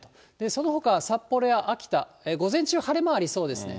そのほかは札幌や秋田、午前中晴れ間ありそうですね。